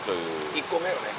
１個目よね？